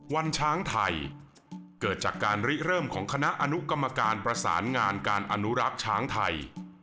วันช้างไทยเกิดจากการริเริ่มของคณะอนุกรรมการประสานงานการอนุรักษ์ช้างไทย